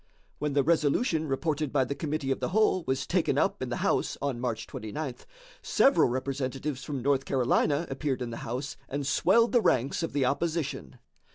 When the resolution reported by the committee of the whole was taken up in the House on March 29, several representatives from North Carolina appeared in the House and swelled the ranks of the opposition.